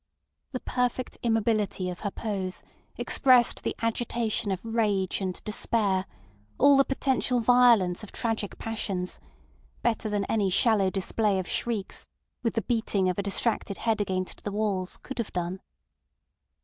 The perfect immobility of her pose expressed the agitation of rage and despair, all the potential violence of tragic passions, better than any shallow display of shrieks, with the beating of a distracted head against the walls, could have done.